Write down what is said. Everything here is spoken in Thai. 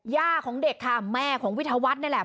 ย่าของเด็กค่ะแม่ของวิทยาวัฒน์นี่แหละ